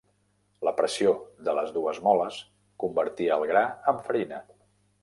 La pressió de les dues moles convertia el gra amb farina.